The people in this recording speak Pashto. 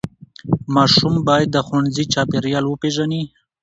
ماشوم باید د ښوونځي چاپېریال وپیژني.